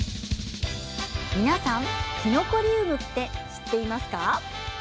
皆さんきのこリウムって知っていますか。